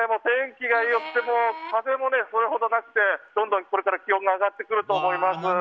天気が良くて風もそれほどなくてどんどん、これから気温が上がってくると思います。